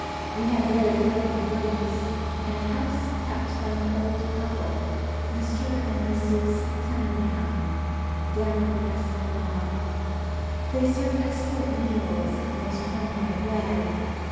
We have very pleasant rooms, in a house kept by an old couple, Mr. and Mrs. Tuddenham, down on the esplanade. They serve excellent meals in a most homelike way.